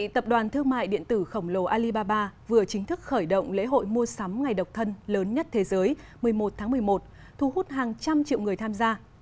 tập đoàn thương mại điện tử khổng lồ alibaba vừa chính thức khởi động lễ hội mua sắm ngày độc thân lớn nhất thế giới một mươi một tháng một mươi một thu hút hàng trăm triệu người tham gia